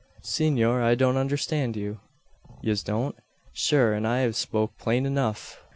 "Senor, I don't understand you." "Yez don't? Shure an I've spoke plain enough!